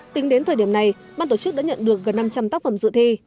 tính đến thời điểm này ban tổ chức đã nhận được gần năm trăm linh tác phẩm dự thi